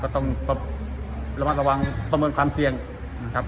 ต้องระมัดระวังประเมินความเสี่ยงนะครับ